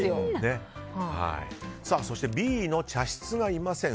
そしてＢの茶室がいません。